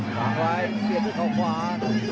หลังไว้เสียด้วยเข้าขวา